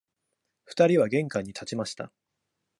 二人は玄関に立ちました